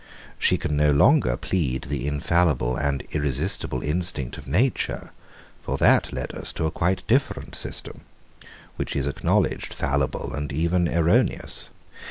She can no longer plead the infallible and irresistible instinct of nature: for that led us to a quite different system, which is acknowledged fallible and even erroneous.